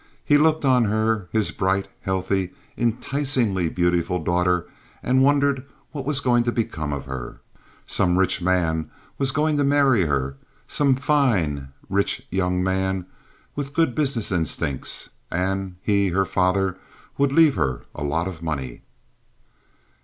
He looked on her, his bright, healthy, enticingly beautiful daughter, and wondered what was going to become of her. Some rich man was going to many her—some fine, rich young man with good business instincts—and he, her father, would leave her a lot of money.